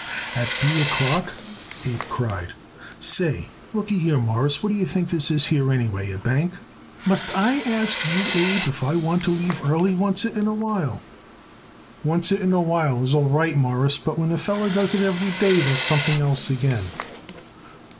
"At three o'clock!" Abe cried. "Say, lookyhere, Mawruss, what do you think this here is anyway? A bank?" "Must I ask you, Abe, if I want to leave early oncet in awhile?" "Oncet in awhile is all right, Mawruss, but when a feller does it every day that's something else again."